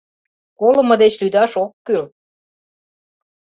Колымо деч лӱдаш ок кӱл.